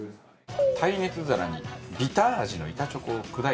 耐熱皿にビター味の板チョコを砕いて並べます。